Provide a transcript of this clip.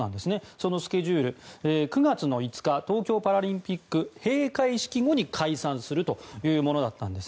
そのスケジュール、９月５日東京パラリンピックの閉会式後に解散するというものだったんです。